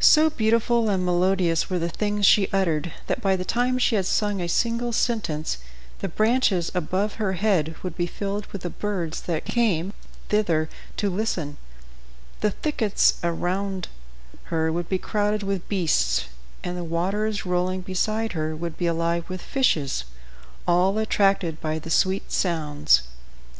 So beautiful and melodious were the things she uttered that, by the time she had sung a single sentence, the branches above her head would be filled with the birds that came thither to listen, the thickets around her would be crowded with beasts, and the waters rolling beside her would be alive with fishes, all attracted by the sweet sounds.